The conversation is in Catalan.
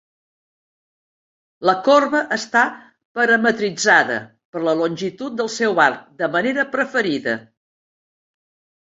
La corba està parametritzada per la longitud del seu arc de manera preferida.